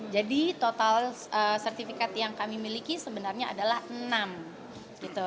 jadi total sertifikat yang kami miliki sebenarnya adalah enam gitu